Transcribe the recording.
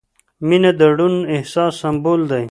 • مینه د روڼ احساس سمبول دی.